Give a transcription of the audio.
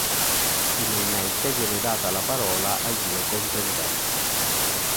Finalmente viene data la parola ai due contendenti.